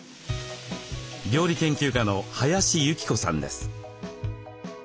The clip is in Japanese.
料理研究家の林幸子さんです。